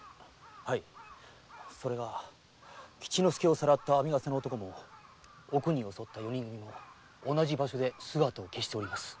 はいそれが吉之助をさらった編み笠の男もお邦を襲った四人組も同じ場所で姿を消しております。